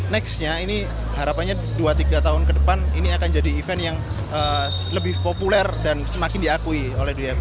nextnya ini harapannya dua tiga tahun ke depan ini akan jadi event yang lebih populer dan semakin diakui oleh dunia